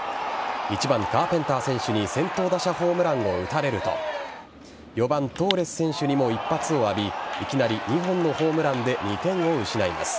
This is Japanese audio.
１番・カーペンター選手に先頭打者ホームランを打たれると４番・トーレス選手にも一発を浴びいきなり２本のホームランで２点を失います。